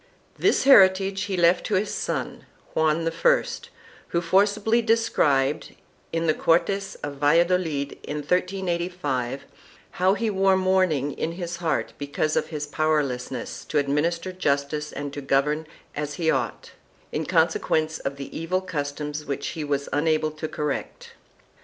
3 This heritage he left to his son, Juan I, who forcibly described, in the Cortes of Valladolid in 1385, how he wore mourning in his heart because of his power lessness to administer justice and to govern as he ought, in con sequence of the evil customs which he was unable to correct.